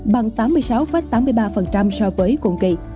bằng tám mươi sáu tám mươi ba so với cùng kỳ